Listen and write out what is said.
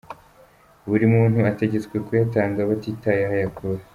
Buri muntu ategetswe kuyatanga batitaye aho ayakura.